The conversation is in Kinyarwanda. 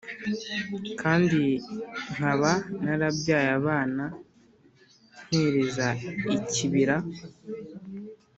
Kandi nkaba narabyaye abana mpereza ikibira,